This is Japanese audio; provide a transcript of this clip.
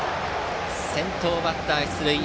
先頭バッター、出塁。